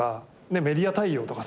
メディア対応とかさ